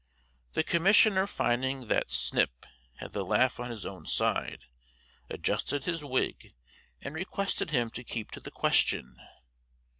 The Commissioner finding that "snip" had the laugh on his own side, adjustedhis wig, and requested him to keep to the question.